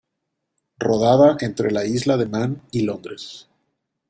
Rodada entre la Isla de Man y Londres.